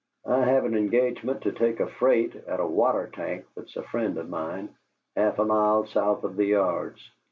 "I have an engagement to take a freight at a water tank that's a friend of mine, half a mile south of the yards.